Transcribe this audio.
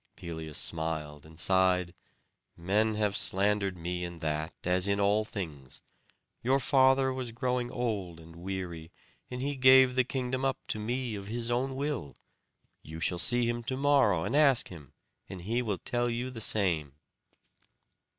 Pelias smiled and sighed: "Men have slandered me in that, as in all things. Your father was growing old and weary, and he gave the kingdom up to me of his own will. You shall see him to morrow, and ask him; and he will tell you the same."